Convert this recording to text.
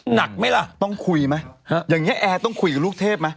หนักไหมล่ะต้องคุยมั้ยอย่างเนี้ยแอ้ต้องคุยกับลูกเทพมั้ย